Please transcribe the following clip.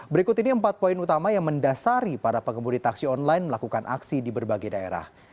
berikut ini empat poin utama yang mendasari para pengemudi taksi online melakukan aksi di berbagai daerah